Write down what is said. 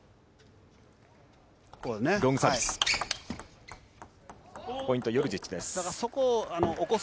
ロングサービス、ポイント、ヨルジッチです。